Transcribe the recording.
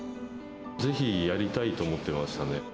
ぜひやりたいと思ってましたね。